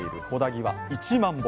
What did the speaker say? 木は１万本。